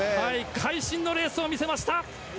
会心のレースを見せました！